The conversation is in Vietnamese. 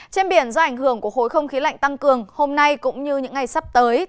trên biển do ảnh hưởng của khối không khí lạnh tăng cường hôm nay cũng như những ngày sắp tới